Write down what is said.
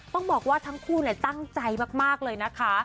ต้องบอกว่าทั้งคู่ตั้งใจมากเลยนะคะ